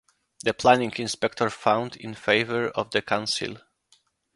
The Planning Inspector found in favour of the council.